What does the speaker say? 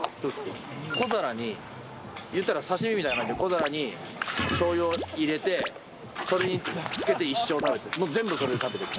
小皿に、いったら刺身みたいな感じで、小皿にしょうゆを入れて、それにつけて一生食べてる。